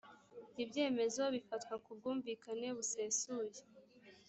ibyemezo bifatwa ku bwumvikane busesuye